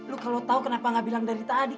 lu kalau tahu kenapa gak bilang dari tadi